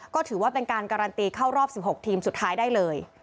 ก็ถือว่าเป็นการการันตีเข้ารอบ๑๖ทีมสุดท้ายได้เลย